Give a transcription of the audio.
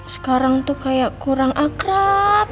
sekarang tuh kayak kurang akrab